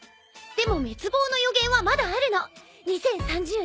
でも滅亡の予言はまだあるの。